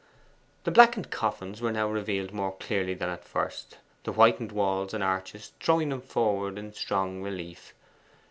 The blackened coffins were now revealed more clearly than at first, the whitened walls and arches throwing them forward in strong relief.